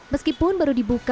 meskipun baru dibuka